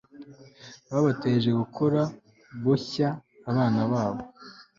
babateje gukora Boshya abana babo